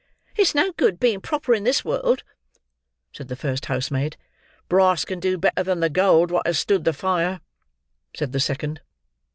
"It's no good being proper in this world," said the first housemaid. "Brass can do better than the gold what has stood the fire," said the second.